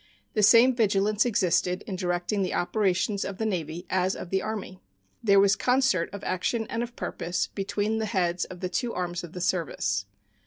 The same vigilance existed in directing the operations of the Navy as of the Army. There was concert of action and of purpose between the heads of the two arms of the service.